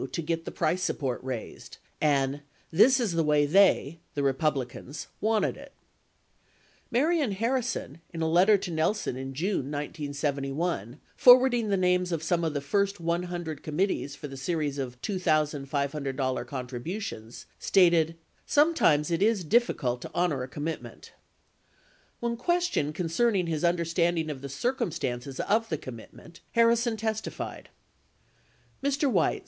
to get the price support raised" and "this is the way they [the Republicans] wanted it." 29 Marion Harrison, in a letter to Nelson in June 1971, forwarding the names of some of the first 100 committees for the series of $2,500 contributions, stated, "Sometimes it is difficult to honor a commit ment." 30 When questioned concerning his understanding of the circumstances of the commitment, Harrison testified : Mr. Weitz.